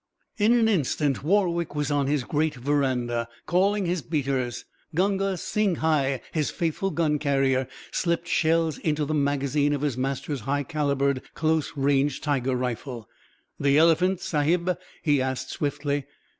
In an instant, Warwick was on his great veranda, calling his beaters. Gunga Singhai, his faithful gun carrier, slipped shells into the magazine of his master's high calibered close range tiger rifle. "The elephant, Sahib?" he asked swiftly.